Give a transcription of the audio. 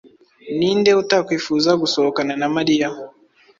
Ninde utakwifuza gusohokana na Mariya?